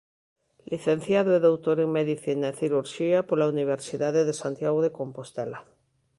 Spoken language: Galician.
Licenciado e doutor en Medicina e Cirurxía pola Universidade de Santiago de Compostela.